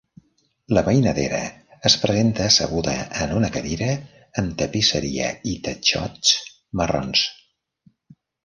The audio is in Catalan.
La mainadera es presenta asseguda en una cadira amb tapisseria i tatxots marrons.